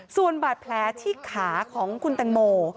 ส่วนบาดแผลที่ขาของคุณแตงโม